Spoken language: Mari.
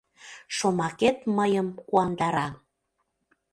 Шомакет мыйым куандара.